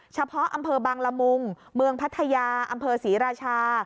เฉพาะอำเภอบางละมุงเมืองพัทยาอำเภอศรีราชา